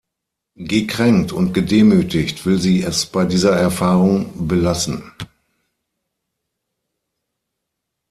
Gekränkt und gedemütigt will sie es bei dieser Erfahrung belassen.